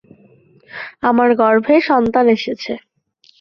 আমার গর্ভে সন্তান এসেছে।